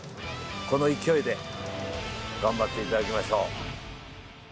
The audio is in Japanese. この勢いで頑張っていただきましょう！